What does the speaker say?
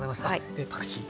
でパクチー。